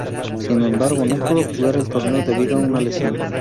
Sin embargo, no pudo jugar el torneo, debido a una lesión.